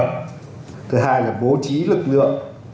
thứ hai là bố trí lực lượng